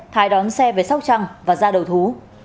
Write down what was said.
thái đón xe về sóc trăng và ra đầu thú